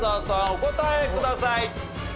お答えください。